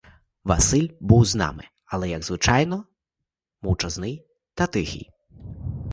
Василь був з нами, але, як звичайно, мовчазний та тихий.